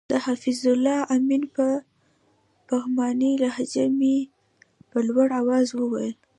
د حفیظ الله آمین په پغمانۍ لهجه مې په لوړ اواز وویل.